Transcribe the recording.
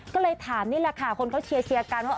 ก็เลยถามนี่แหละค่ะคนเขาเชียร์กันว่า